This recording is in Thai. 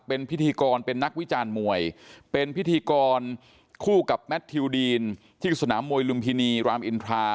เป็นพิธีกรเป็นนักวิจารณ์มวยเป็นพิธีกรคู่กับแมททิวดีนที่สนามมวยลุมพินีรามอินทรา